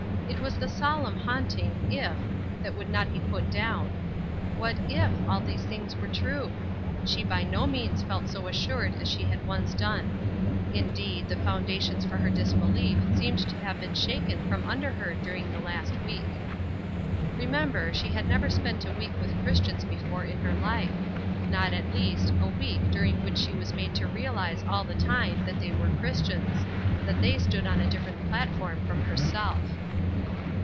There was a solemn haunting "if" that would not be put down. What if all these things were true? She by no means felt so assured as she had once done: indeed, the foundations for her disbelief seemed to have been shaken from under her during the last week. Remember, she had never spent a week with Christians before in her life; not, at least, a week during which she was made to realize all the time that they were Christians; that they stood on a different platform from herself.